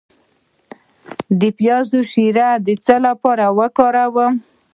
د پیاز شیره د څه لپاره وکاروم؟